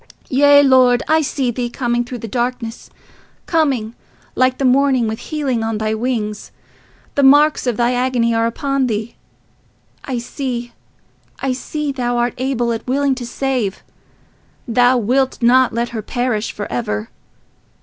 "Yea, Lord, I see thee, coming through the darkness, coming, like the morning, with healing on thy wings. The marks of thy agony are upon thee—I see, I see thou art able and willing to save—thou wilt not let her perish for ever.